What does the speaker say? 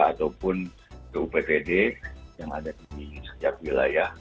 ataupun ke uppd yang ada di setiap wilayah